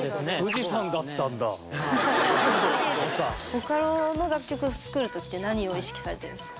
ボカロの楽曲を作る時って何を意識されてるんですか？